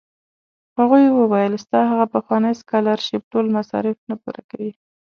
هغوی ویل ستا هغه پخوانی سکالرشېپ ټول مصارف نه پوره کوي.